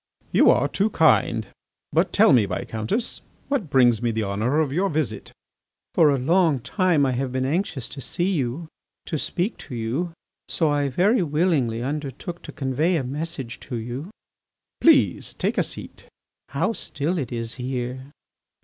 "You are too kind. But tell me, Viscountess, what brings me the honour of your visit." "For a long time I have been anxious to see you, to speak to you. ... So I very willingly undertook to convey a message to you." "Please take a seat." "How still it is here."